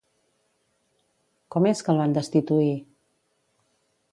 Com és que la van destituir?